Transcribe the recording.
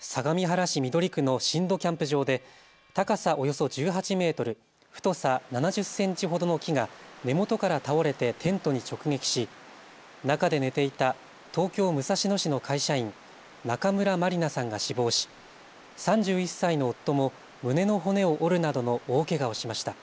相模原市緑区の新戸キャンプ場で高さおよそ１８メートル、太さ７０センチほどの木が根元から倒れてテントに直撃し中で寝ていた東京武蔵野市の会社員、中村まりなさんが死亡し３１歳の夫も胸の骨を折るなどの大けがをしました。